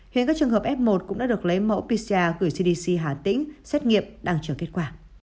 hiện các trường hợp f một cũng đã được lấy mẫu pcr gửi cdc hà tĩnh xét nghiệm đang chờ kết quả